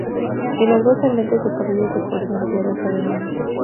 Milagrosamente su caballo se posó en tierra suavemente.